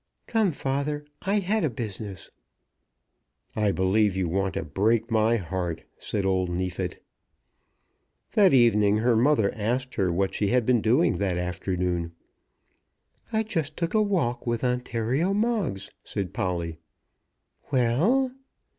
"Come, father. I had a business." "I believe you want to break my heart," said old Neefit. That evening her mother asked her what she had been doing that afternoon. "I just took a walk with Ontario Moggs," said Polly. "Well?"